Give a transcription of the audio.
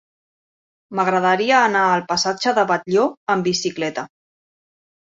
M'agradaria anar al passatge de Batlló amb bicicleta.